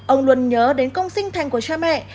ông luôn nhớ đến công sinh thành của cha mẹ